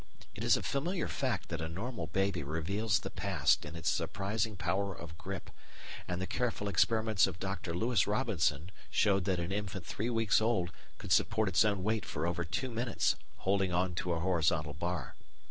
It is a familiar fact that a normal baby reveals the past in its surprising power of grip, and the careful experiments of Dr. Louis Robinson showed that an infant three weeks old could support its own weight for over two minutes, holding on to a horizontal bar.